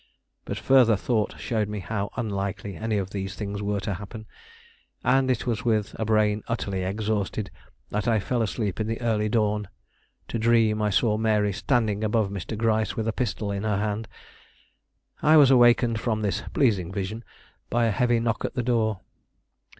But further thought showed me how unlikely any of these things were to happen, and it was with a brain utterly exhausted that I fell asleep in the early dawn, to dream I saw Mary standing above Mr. Gryce with a pistol in her hand. I was awakened from this pleasing vision by a heavy knock at the door.